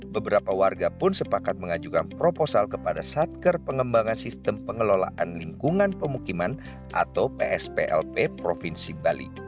beberapa warga pun sepakat mengajukan proposal kepada satker pengembangan sistem pengelolaan lingkungan pemukiman atau psplp provinsi bali